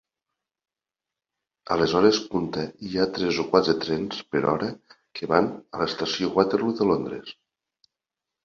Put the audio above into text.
A les hores punta hi ha tres o quatre trens per hora que van a l'estació Waterloo de Londres.